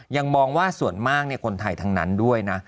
ยังมองว่าส่วนมากคนไทยทั้งนั้นด้วยนะ